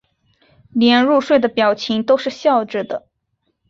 连入睡的表情都是笑着的